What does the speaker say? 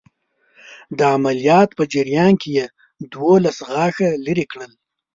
د عملیات په جریان کې یې دوولس غاښه لرې کړل.